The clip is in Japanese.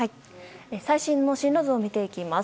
最新の進路図を見ていきます。